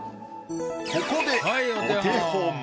ここでお手本。